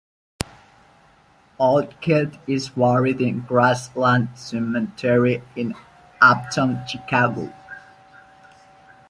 Altgeld is buried in Graceland Cemetery in Uptown, Chicago.